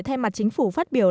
thay mặt chính phủ phát biểu